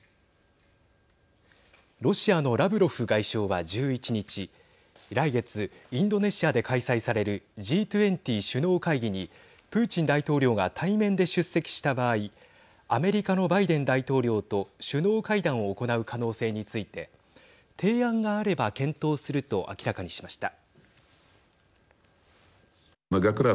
ロシアのラブロフ外相は１１日来月、インドネシアで開催されるＧ２０首脳会議にプーチン大統領が対面で出席した場合アメリカのバイデン大統領と首脳会談を行う可能性について提案があれば検討すると明らかにしました。